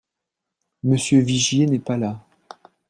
Monsieur Vigier n’est pas là